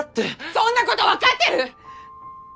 そんなこと分かってる！